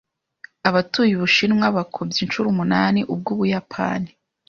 Abatuye Ubushinwa bakubye inshuro umunani ubw'Ubuyapani.